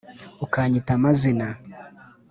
ukanyita amazina